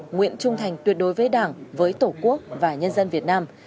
nguyện trung thành tuyệt đối với đảng với tổ quốc và nhân dân việt nam